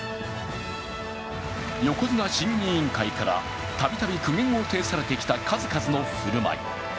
横綱審議委員会からたびたび苦言を呈されてきた数々の振る舞い。